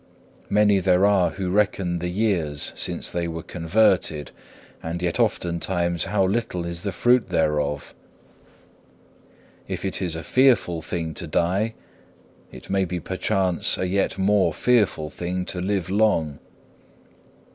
Many there are who reckon the years since they were converted, and yet oftentimes how little is the fruit thereof. If it is a fearful thing to die, it may be perchance a yet more fearful thing to live long.